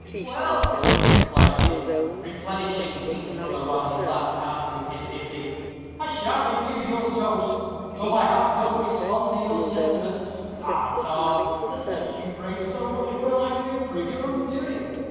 "Well," replied Dick, replenishing King's rummer, while he laughed heartily at his ditty, "I shan't refuse your toast, though my heart don't respond to your sentiments. Ah, Tom! the sex you praise so much will, I fear, prove your undoing.